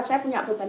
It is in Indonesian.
saya punya beban